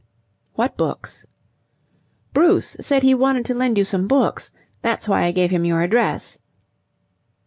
"What books?" "Bruce said he wanted to send you some books. That was why I gave him your address."